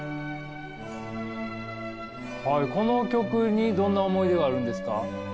この曲にどんな思い出があるんですか？